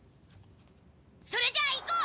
それじゃあ行こう！